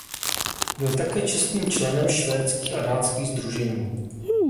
Byl také čestným členem švédských a dánských sdružení.